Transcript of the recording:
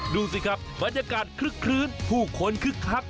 ดูสิครับบรรยากาศคลึกผู้คนคลึก